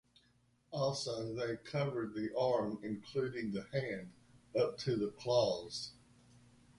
Also they covered the arm including the hand up to the claws.